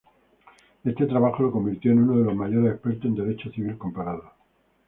Este trabajo lo convirtió en uno de los mayores expertos en derecho civil comparado.